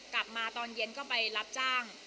กลับมาตอนเย็นก็ไปลับจ้าง